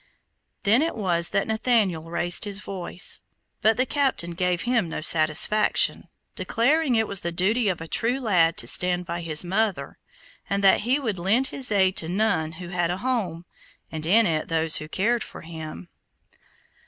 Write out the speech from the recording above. Then it was that Nathaniel raised his voice; but the captain gave him no satisfaction, declaring it was the duty of a true lad to stand by his mother, and that he would lend his aid to none who had a home, and in it those who cared for him.